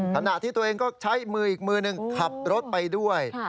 ขณะที่ตัวเองก็ใช้มืออีกมือหนึ่งขับรถไปด้วย